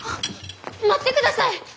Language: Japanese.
待ってください！